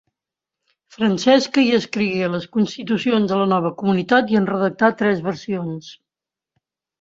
Francesca hi escrigué les constitucions de la nova comunitat i en redactà tres versions.